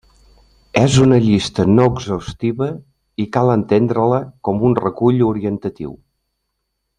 És una llista no exhaustiva i cal entendre-la com un recull orientatiu.